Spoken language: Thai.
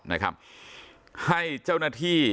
นะครับให้เจ้าหน้าที่